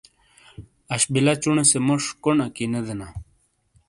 اش بیلا چُونے سے موش کونڈ اکی نے دینا